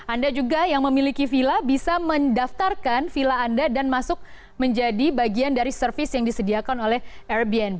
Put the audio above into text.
anda juga yang memiliki villa bisa mendaftarkan villa anda dan masuk menjadi bagian dari service yang disediakan oleh airbnb